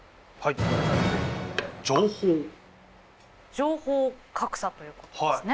情報格差ということですね。